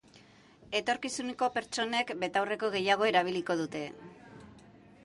Etorkizuneko pertsonek betaurreko gehiago erabiliko dute.